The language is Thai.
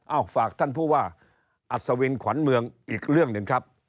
ฝากท่านผู้ว่าอัศวินขวัญเมืองอีกเรื่องหนึ่งครับ